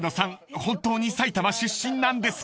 本当に埼玉出身なんですか？］